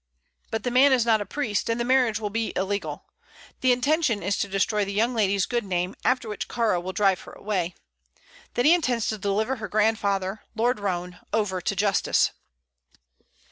But the man is not a priest, and the marriage will be illegal. The intention is to destroy the young lady's good name, after which Kāra will drive her away. Then he intends to deliver her grandfather, Lord Roane, over to justice."